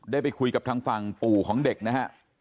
ได้ไปคุยกับทางฝั่งปู่ของเด็กนะฮะ